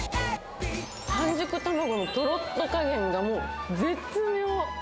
半熟卵のとろっとかげんが、もう絶妙。